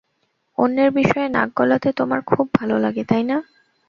অন্যের বিষয়ে নাক গলাতে তোমার খুব ভালো লাগে, তাই না?